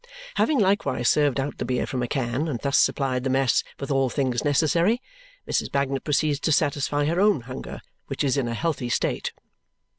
Having likewise served out the beer from a can and thus supplied the mess with all things necessary, Mrs. Bagnet proceeds to satisfy her own hunger, which is in a healthy state.